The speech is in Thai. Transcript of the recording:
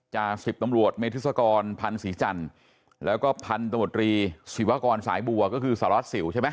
จาก๑๐ตำรวจเมธิศกรพันธ์ศรีจันทร์แล้วก็พันธมตรีศิวากรสายบัวก็คือสารวัสสิวใช่ไหม